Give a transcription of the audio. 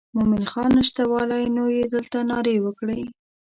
مومن خان نشتوالی نو یې دلته نارې وکړې.